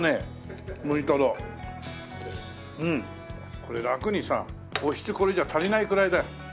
これ楽にさおひつこれじゃ足りないくらいだよ。